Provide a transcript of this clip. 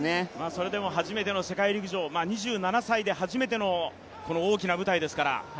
それでも初めての世界陸上、２７歳で初めての大きな舞台ですから。